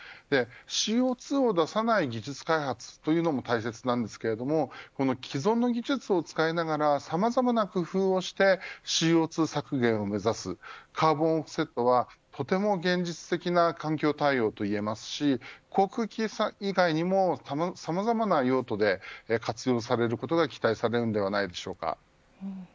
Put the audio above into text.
ＣＯ２を出さない技術開発というのも大切ですが既存の技術を使いながらさまざまな工夫をしてＣＯ２削減を目指すカーボンオフセットはとても現実的な環境対応と言えますし航空機以外にもさまざまな用途で活用されることが期待されるのではないでしょうか。